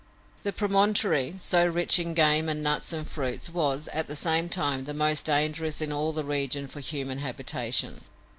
The promontory, so rich in game and nuts and fruits, was, at the same time, the most dangerous in all the region for human habitation.